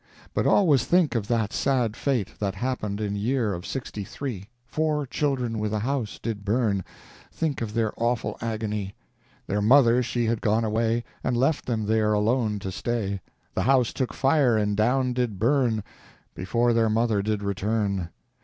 But always think of that sad fate, That happened in year of '63; Four children with a house did burn, Think of their awful agony. Their mother she had gone away, And left them there alone to stay; The house took fire and down did burn; Before their mother did return.